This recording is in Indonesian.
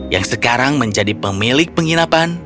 yang sekarang menjadi pemilik penginapan